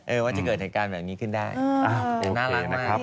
เออว่าจะเกิดอันการณ์แบบนี้ขึ้นได้น่ารักมาก